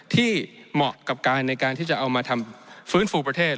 เหมาะกับการในการที่จะเอามาทำฟื้นฟูประเทศ